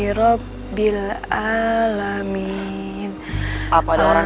turun jalan memang sudah mudah